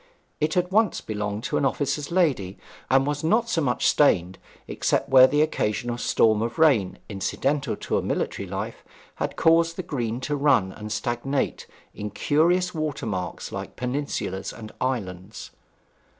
It had once belonged to an officer's lady, and was not so much stained, except where the occasional storms of rain, incidental to a military life, had caused the green to run and stagnate in curious watermarks like peninsulas and islands.